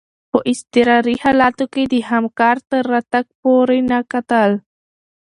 په اضطراري حالاتو کي د همکار تر راتګ پوري نه کتل.